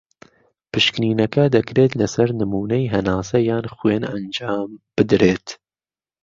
پشکنینەکە دەکرێت لە سەر نمونەی هەناسە یان خوێن ئەنجام بدرێت.